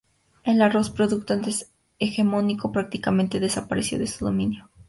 El arroz, producto antes hegemónico, prácticamente desapareció de su dominio.